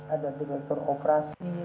ada direktur operasi